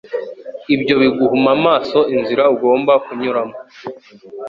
Ibyo biguhuma amaso inzira ugomba kunyuramo.